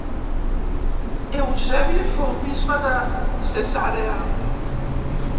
Eusebi fou bisbe de Cesarea.